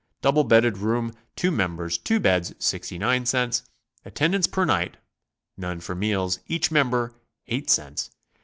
double bedded room, two members, two beds, 69 cts. Attendance per night (none for meals) each member, 8 cts.